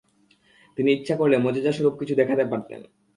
তিনি ইচ্ছা করলে মোজেযাস্বরূপ কিছু দেখাতে পারতেন।